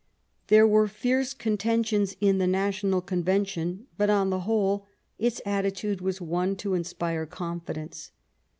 There were fierce contentions in the National Convention, but, on the whole, its attitude was one to inspire confidence.